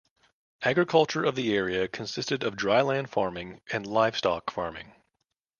Agriculture of the area consisted of dryland farming and livestock farming.